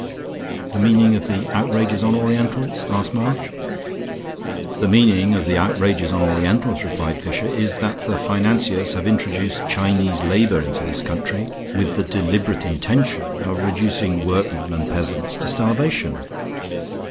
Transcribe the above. "The meaning of the outrages on Orientals?" asked March. "The meaning of the outrages on Orientals," replied Fisher, "is that the financiers have introduced Chinese labor into this country with the deliberate intention of reducing workmen and peasants to starvation.